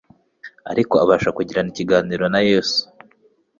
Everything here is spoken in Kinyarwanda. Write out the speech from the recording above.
ariko abasha kugirana ikiganiro na Yesu,